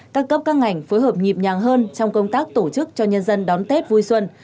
các cấp các ngành phối hợp nhịp nhàng hơn trong công tác tổ chức cho nhân dân đón tết vui xuân